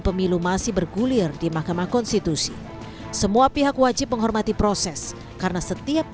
pemilu masih bergulir di mahkamah konstitusi semua pihak wajib menghormati proses karena setiap